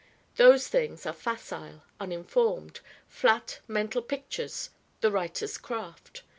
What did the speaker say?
Those things are facile, uninformed flat mental pictures, the writer's craft.